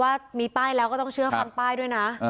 ว่ามีป้ายแล้วก็ต้องเชื่อฟังป้ายด้วยนะ